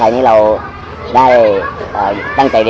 น้องน้องได้อยู่ทั้งส่วน